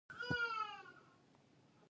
واوره د افغانستان د فرهنګي فستیوالونو برخه ده.